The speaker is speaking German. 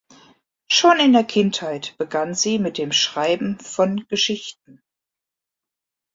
Schon in der Kindheit begann sie mit dem Schreiben von Geschichten.